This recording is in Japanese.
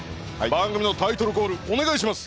番組のタイトルコールお願いします！